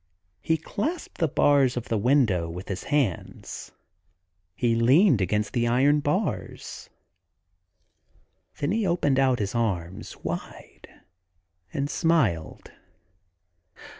He clasped the bars of the window with his hands ; he leaned against the iron bars ; then he opened out his arms wide and smiled.